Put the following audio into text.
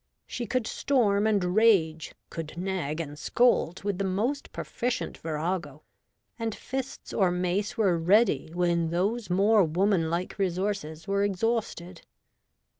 She could storm and rage, could nag and scold with the most proficient virago, and fists or mace were ready when those more womanlike resources were ex hausted.